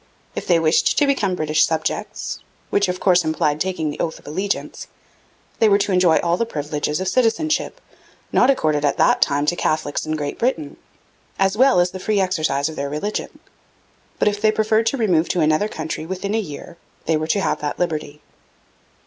If they wished to become British subjects, which of course implied taking the oath of allegiance, they were to enjoy all the privileges of citizenship, not accorded at that time to Catholics in Great Britain, as well as the free exercise of their religion. But if they preferred to remove to another country within a year, they were to have that liberty.